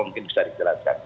mungkin bisa dijelaskan